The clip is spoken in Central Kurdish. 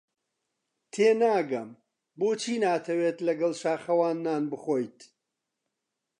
تێناگەم بۆچی ناتەوێت لەگەڵ شاخەوان نان بخۆیت.